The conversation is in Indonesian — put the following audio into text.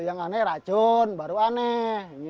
yang aneh racun baru aneh